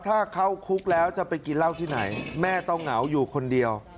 ถ้าเข้าคุกแล้วจะไปกินเหล้าที่ไหนแม่ต้องเหงาอยู่คนเดียว